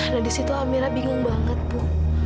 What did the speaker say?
nah di situ amirah bingung banget bu